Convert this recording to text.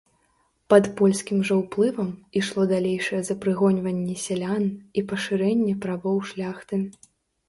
Пад польскім жа ўплывам ішло далейшае запрыгоньванне сялян і пашырэнне правоў шляхты.